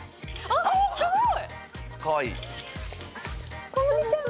あすごい。